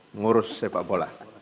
mengurus sepak bola